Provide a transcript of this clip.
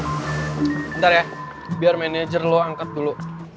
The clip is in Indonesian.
sebentar ya biar manajer lo angkat dulu